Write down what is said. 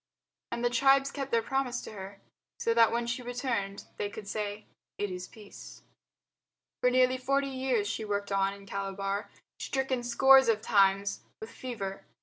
And the tribes kept their promise to her, so that when she returned they could say, "It is peace." For nearly forty years she worked on in Calabar, stricken scores of times with fever.